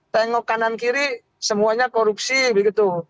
tengok kanan kiri semuanya korupsi begitu